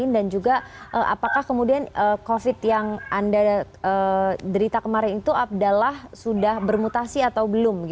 dan juga apakah kemudian covid yang anda derita kemarin itu adalah sudah bermutasi atau belum